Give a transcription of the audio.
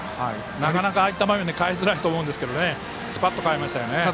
なかなか、ああいった場面で代えづらいと思うんですけどスパッと代えましたね。